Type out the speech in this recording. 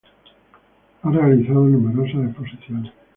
Ha realizado numerosas exposiciones.